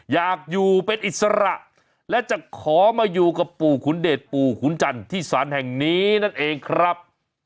อยากอยู่เป็นอิสระและจะขอมาอยู่กับปู่ขุนเดชปู่ขุนจันทร์ที่สารแห่งนี้นั่นเองครับ